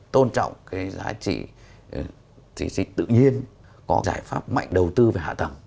tôn trọng cái giá trị tự nhiên có giải pháp mạnh đầu tư về hạ tầng